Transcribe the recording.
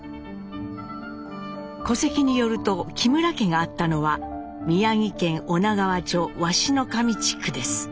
戸籍によると木村家があったのは宮城県女川町鷲神地区です。